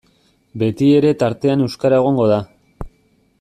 Betiere tartean euskara egongo da.